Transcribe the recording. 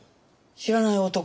知らない男。